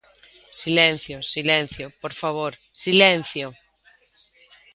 Silencio, silencio, por favor, ¡silencio!